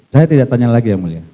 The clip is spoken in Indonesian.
saya tidak tanya lagi ya mulia